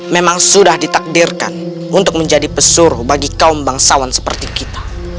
memang sudah ditakdirkan untuk menjadi pesuruh bagi kaum bangsawan seperti kita